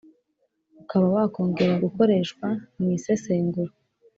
ukaba wakongera gukoreshwa mu isesengura.